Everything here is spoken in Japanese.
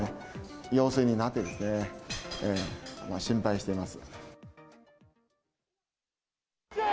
陽性になってですね、心配しています。